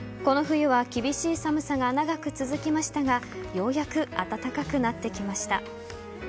この冬は厳しい寒さが長く続きましたがようやく暖かくなってきました。